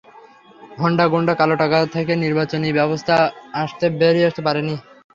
Honda, গুন্ডা, কালো টাকার খেলা থেকে নির্বাচনী ব্যবস্থা বেরিয়ে আসতে পারেনি।